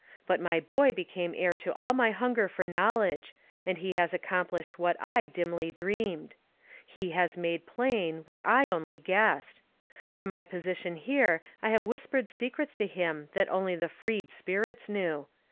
But my boy became heir to all my hunger for knowledge, and he has accomplished what I dimly dreamed. He has made plain what I only guessed. From my position here I have whispered secrets to him that only the freed spirits knew.